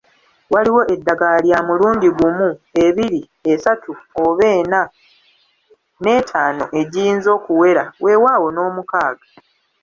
Waliwo eddagala lya mulundi gumu, ebiri, esatu oba ena n’etaano egiyinza okuwera wewaawo n’omukaaga.